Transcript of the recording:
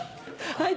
はい。